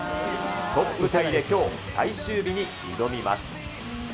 トップタイできょう、最終日に挑みます。